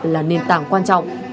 là nền tảng quan trọng